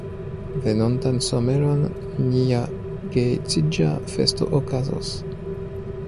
Venontan someron nia geedziĝa festo okazos.